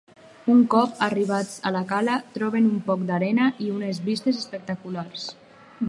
Un cop arribats a la cala, trobem un poc d'arena, i unes vistes espectaculars.